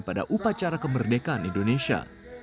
pada upacara kemerdekaan indonesia